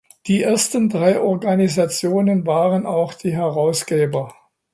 Die ersten drei Organisationen waren auch die Herausgeber.